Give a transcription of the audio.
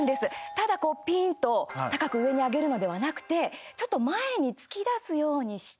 ただピーンと高く上に上げるのではなくてちょっと前に突き出すようにして。